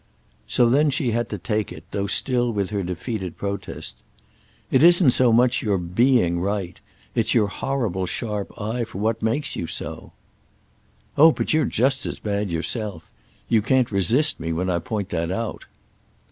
So then she had to take it, though still with her defeated protest. "It isn't so much your being 'right'—it's your horrible sharp eye for what makes you so." "Oh but you're just as bad yourself. You can't resist me when I point that out."